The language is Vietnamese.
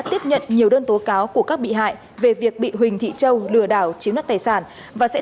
tiếp nhận nhiều đơn tố cáo của các bị hại về việc bị huỳnh thị châu lừa đảo chiếm đất tài sản và sẽ